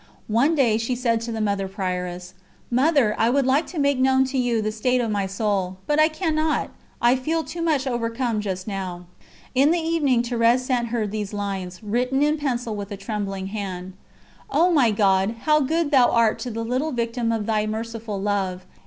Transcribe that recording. One day she said to the Mother Prioress: "Mother, I would like to make known to you the state of my soul; but I cannot, I feel too much overcome just now." In the evening Thérèse sent her these lines, written in pencil with a trembling hand: "O my God! how good Thou art to the little Victim of Thy Merciful Love!